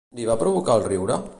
Li va provocar el riure?